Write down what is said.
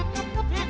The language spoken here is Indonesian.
kejar lagi don